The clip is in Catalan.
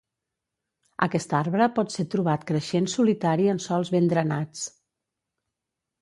Aquest arbre pot ser trobat creixent solitari en sòls ben drenats.